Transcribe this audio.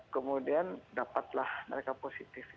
kemudian dapatlah mereka positif